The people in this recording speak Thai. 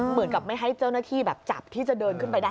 เหมือนกับไม่ให้เจ้าหน้าที่แบบจับที่จะเดินขึ้นไปได้